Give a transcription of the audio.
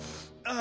あ。